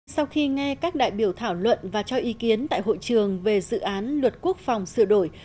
sau khi nghe các đại biểu thảo luận và cho ý kiến tại hội trường về dự án luật quốc phòng sửa đổi